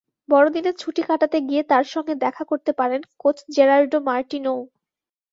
বড়দিনের ছুটি কাটাতে গিয়ে তাঁর সঙ্গে দেখা করতে পারেন কোচ জেরার্ডো মার্টিনোও।